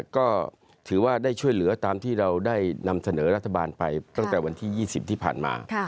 ก็ถือว่าได้ช่วยเหลือตามที่เราได้นำเสนอรัฐบาลไปตั้งแต่วันที่๒๐ที่ผ่านมา